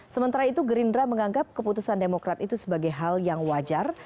sementara itu gerindra menganggap keputusan demokrat itu sebagai hal yang wajar